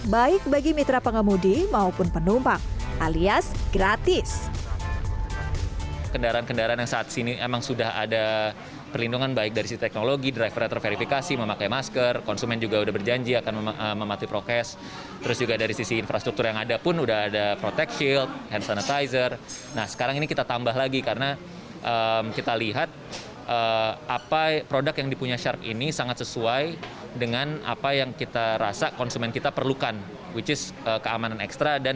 baik bagi mitra pengemudi maupun penumpang alias gratis